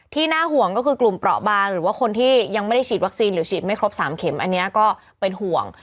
น่าห่วงก็คือกลุ่มเปราะบานหรือว่าคนที่ยังไม่ได้ฉีดวัคซีนหรือฉีดไม่ครบ๓เข็มอันนี้ก็เป็นห่วง